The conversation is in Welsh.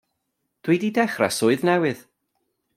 Dw i 'di dechra' swydd newydd.